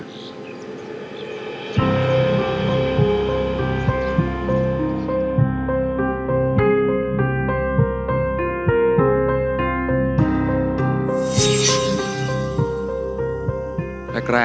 พ่อแม่ขอบคุณครับ